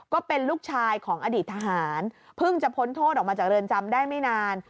ก็เป็นลูกชายของอดีตทหารเพิ่งจะพ้นโทษออกมาจากเรือนจำได้ไม่นาน